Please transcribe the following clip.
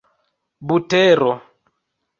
butero